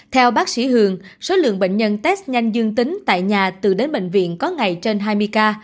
theo bác sĩ hường số lượng bệnh nhân test nhanh dương tính tại nhà từ đến bệnh viện có ngày trên hai mươi ca